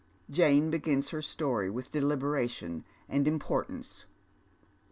Jane begins her story with deliberation and importance.